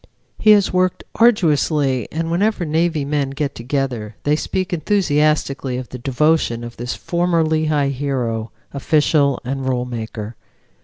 He has worked arduously, and whenever Navy men get together they speak enthusiastically of the devotion of this former Lehigh hero, official and rule maker.